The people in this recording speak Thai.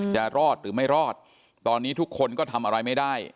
จะรอดหรือไม่รอดตอนนี้ทุกคนก็ทำอะไรไม่ได้